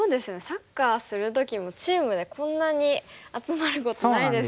サッカーする時もチームでこんなに集まることないですよね。